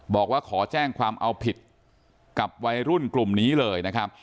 บอกว่าขอแจ้งความเอาผิดกับวัยรุ่นกลุ่มนี้เลยนะครับ